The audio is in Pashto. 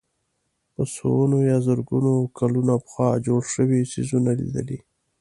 په سوونو یا زرګونو کلونه پخوا جوړ شوي څېزونه لیدلي.